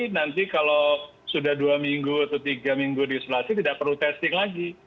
nanti kalau sudah dua minggu atau tiga minggu di isolasi tidak perlu testing lagi